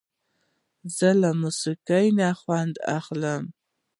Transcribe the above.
زه له موسیقۍ نه خوند اخلم.